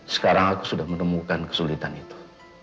sekarang aku sudah menemukan kesulitan itu